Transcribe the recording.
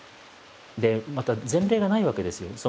でまた前例がないわけですよ。